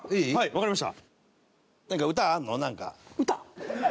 わかりました。